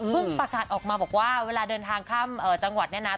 เมื่องประกาศออกมาบอกว่าเวลาเดินทางค่ำจังหวัดต้องกากตัว